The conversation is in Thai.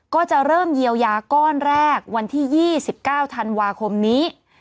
ก็จะเริ่มเยียวยาก้อนแรกวันที่ยี่สิบเก้าธันวาคมนี้